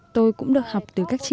tôi cũng được học từ các chị em